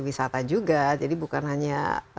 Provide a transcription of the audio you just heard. wisata juga jadi bukan hanya